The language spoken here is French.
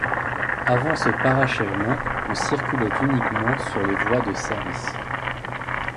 Avant ce parachèvement, on circulait uniquement sur les voies de services.